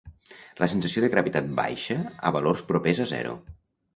La sensació de gravetat baixa a valors propers a zero.